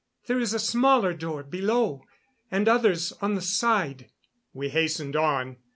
"There is a smaller door below, and others on the side." We hastened on.